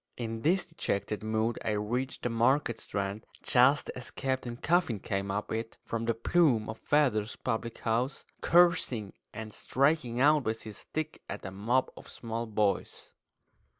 In this dejected mood I reached the Market Strand just as Captain Coffin came up it from the Plume of Feathers public house, cursing and striking out with his stick at a mob of small boys.